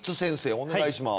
お願いします。